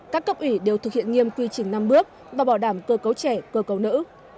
các cấp ủy đều thực hiện nghiêm quy trình năm bước và bảo đảm cơ cấu trẻ cơ cấu nữ